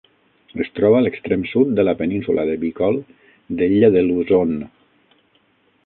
Es troba a l'extrem sud de la península de Bicol de l'illa de Luzon.